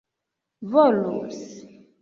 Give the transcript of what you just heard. volus